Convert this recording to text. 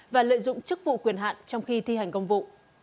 và lợi dụng chức vụ quyền hạn trong khi thi hành công vụ